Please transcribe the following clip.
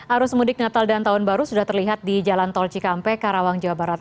arus mudik natal dan tahun baru sudah terlihat di jalan tol cikampek karawang jawa barat